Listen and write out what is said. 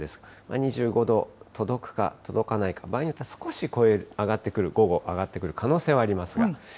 ２５度、届くか届かないか、場合によっては少し超える、午後、上がってくる可能性はありますが。